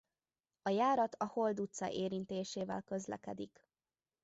A járat a Hold utca érintésével közlekedik.